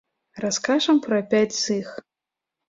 Раскажам пра пяць з іх.